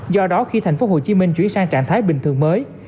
do đó khi thành phố hồ chí minh chuyển sang trạng thái bình thường mới